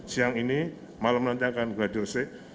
seiang ini malam nanti akan gladiresik